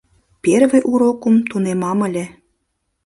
Первый урокым тунемам ыле